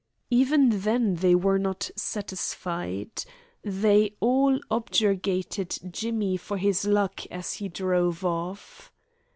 Even then they were not satisfied. They all objurgated Jimmy for his luck as he drove off.